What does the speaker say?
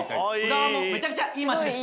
浦和もめちゃくちゃいい町です。